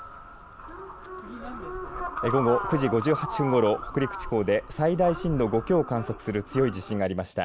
午後９時５８分ごろ北陸地方で最大震度５強を観測する強い地震がありました。